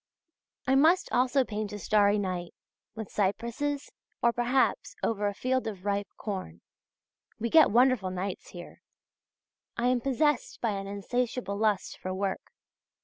I must also paint a starry night, with cypresses, or, perhaps, over a field of ripe corn. We get wonderful nights here. I am possessed by an insatiable lust for work.